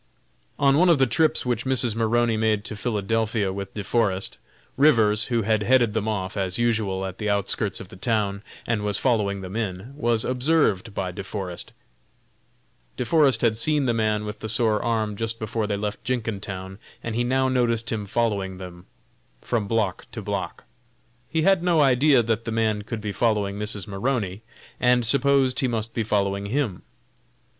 On one of the trips which Mrs. Maroney made to Philadelphia with De Forest, Rivers, who had headed them off, as usual, at the outskirts of the town, and was following them in, was observed by De Forest. De Forest had seen the man with the sore arm just before they left Jenkintown, and he now noticed him following them from block to block. He had no idea that the man could be following Mrs. Maroney, and supposed he must be following him.